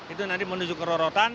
itu nanti menuju ke rorotan